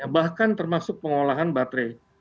bahkan termasuk pengolahan baterai